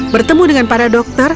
bertemu dengan para dokter